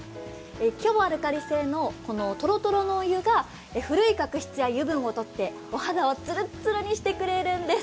強アルカリ性のとろとろのお湯が古い角質や油分を取ってお肌をつるっつるにしてくれるんです。